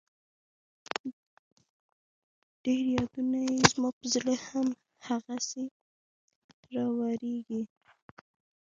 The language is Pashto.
ډېر يادونه يې زما په زړه هم هغسې راوريږي